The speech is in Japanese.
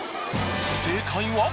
正解は。